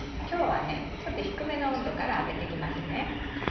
今日はちょっと低めの温度から揚げて行きますね。